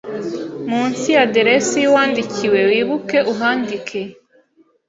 munsi y’aderesi y’uwandikiwe wibuke uhandike